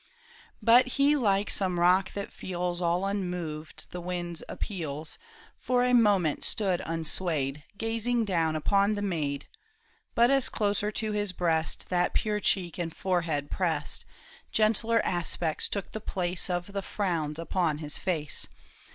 But he like some rock that feels All unmoved the wind's appeals. For a moment stood unswayed, Gazing down upon the maid. But as closer to his breast That pure cheek and forehead pressed. Gentler aspects took the place Of the frowns upon his face.